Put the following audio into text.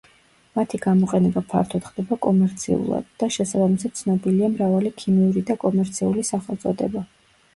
მათი გამოყენება ფართოდ ხდება კომერციულად და შესაბამისად, ცნობილია მრავალი ქიმიური და კომერციული სახელწოდება.